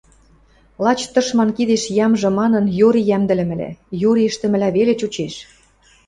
Лач тышман кидеш ямжы манын йори йӓмдӹлӹмӹлӓ, йори ӹштӹмӹлӓ веле чучеш...